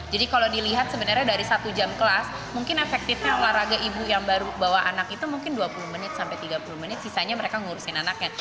jadi kalau dilihat sebenarnya dari satu jam kelas mungkin efektifnya olahraga ibu yang baru bawa anak itu mungkin dua puluh menit sampai tiga puluh menit sisanya mereka ngurusin anaknya